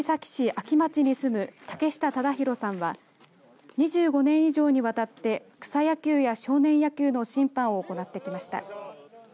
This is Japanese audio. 安岐町に住む竹下忠弘さんは２５年以上にわたって草野球や少年野球の審判を行ってきました。